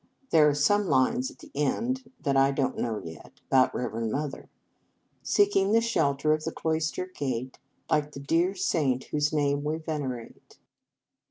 There are some lines at the end, that I don t know yet, about Reverend Mother, " Seeking the shelter of the cloister gate, Like the dear Saint whose name we ven erate.